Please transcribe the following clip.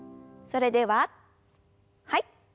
それでははい。